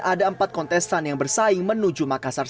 ada empat kontestan yang bersaing menuju makassar